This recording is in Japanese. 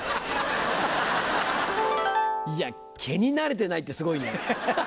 いや「毛に慣れてない」ってすごいねハハハ！